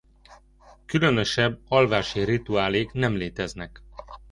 Különösebb alvási rituálék nem léteznek.